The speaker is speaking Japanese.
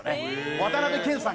渡辺謙さんが。